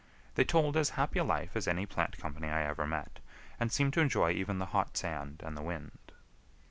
They told as happy a life as any plant company I ever met, and seemed to enjoy even the hot sand and the wind.